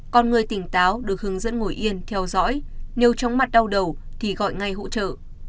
còn người tỉnh táo được hướng dẫn ngồi yên theo dõi nếu chóng mặt đau đầu thì gọi ngay hỗ trợ